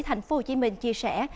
thành phố hồ chí minh chia sẻ